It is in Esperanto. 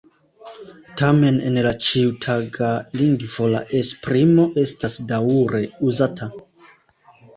Tamen en la ĉiutaga lingvo la esprimo estas daŭre uzata.